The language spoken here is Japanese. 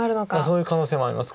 そういう可能性もあります。